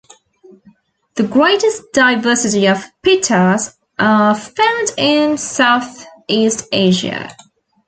The greatest diversity of pittas are found in South-east Asia.